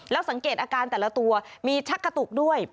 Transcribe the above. แล้วสังเกตอาการแต่ละตัวมีชักกระตุกด้วย